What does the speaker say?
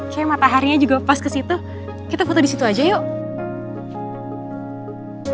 saya mataharinya juga pas ke situ kita foto di situ aja yuk